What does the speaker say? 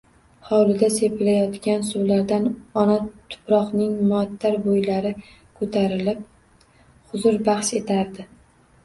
Hovliga sepilayotgan suvlardan ona tuproqning muattar bo`ylari ko`tarilib, huzur baxsh etardi